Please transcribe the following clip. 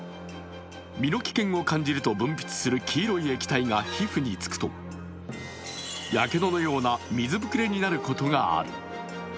身の危険を感じると分泌する黄色い液体が皮膚につくとやけどのような水膨れになることがある。